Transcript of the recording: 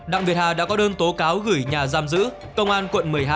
đặng việt hà đã có đơn tố cáo gửi nhà giam giữ công an quận một mươi hai